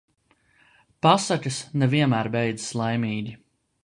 Pasakas ne vienmēr beidzas laimīgi